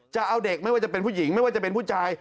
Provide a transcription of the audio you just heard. จะเอาเด็กไม่ว่าจะเป็นผู้หญิงไม่ว่าจะเป็นผู้ชาย